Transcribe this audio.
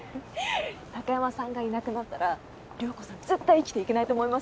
貴山さんがいなくなったら涼子さん絶対生きていけないと思いますよ。